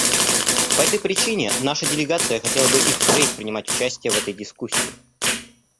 По этой причине наша делегация хотела бы и впредь принимать участие в этой дискуссии.